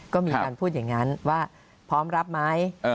ก็มีการพูดอย่างนั้นว่าพร้อมรับไหม